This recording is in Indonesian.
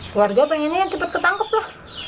keluarga pengennya cepat ketangkep lah